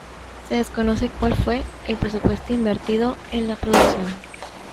Se desconoce cuál fue el presupuesto invertido en la producción.